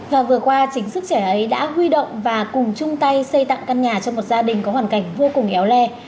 và vừa qua chính sức trẻ ấy đã huy động và cùng chung tay xây tặng căn nhà cho một gia đình có hoàn cảnh vô cùng éo le